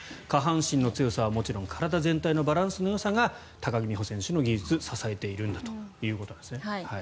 下半身の強さはもちろん体全体のバランスのよさが高木美帆選手の技術を支えているんだということです。